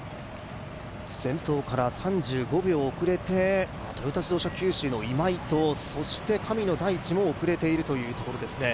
先頭から３５秒遅れて、トヨタ自動車九州の今井とそして、神野大地も遅れているというところですね。